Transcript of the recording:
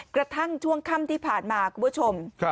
กระทั่งช่วงค่ำที่ผ่านมาคุณผู้ชม